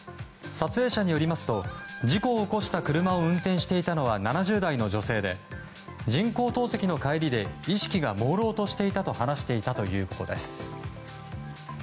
撮影者によりますと事故を起こした車を運転していたのは７０代の女性で人工透析の帰りで意識がもうろうとしていたと話していたということです。